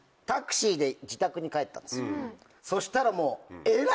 そしたらもう。